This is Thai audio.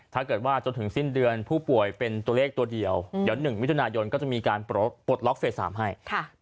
ถ้าเกิดว่าจนถึงสิ้นเดือนผู้ป่วยเป็นตัวเลขตัวเดียวเดี๋ยว๑มิถุนายนก็จะมีการปลดล็อกเฟส๓ให้